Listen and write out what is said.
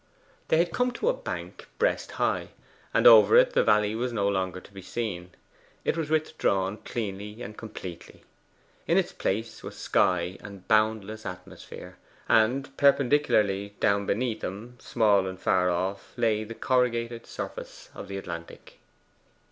They had come to a bank breast high, and over it the valley was no longer to be seen. It was withdrawn cleanly and completely. In its place was sky and boundless atmosphere; and perpendicularly down beneath them small and far off lay the corrugated surface of the Atlantic.